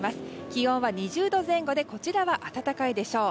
気温は２０度前後でこちらは暖かいでしょう。